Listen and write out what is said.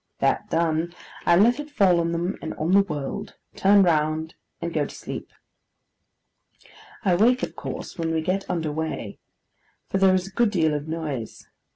That done, I let it fall on them, and on the world: turn round: and go to sleep. I wake, of course, when we get under weigh, for there is a good deal of noise.